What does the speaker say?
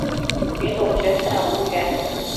与总决赛无缘。